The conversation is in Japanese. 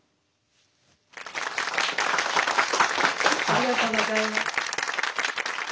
ありがとうございます。